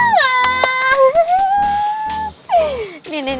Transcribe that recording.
wih gue yang menang